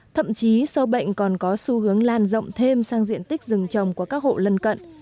thậm chí sâu bệnh còn có xu hướng lan rộng thêm sang diện tích rừng trồng của các hộ lân cận